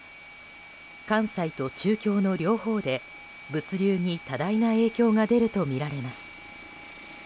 関西と中京の両方で物流に多大な影響が出るとみられます。